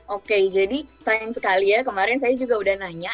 oke jadi sayang sekali ya kemarin saya juga udah nanya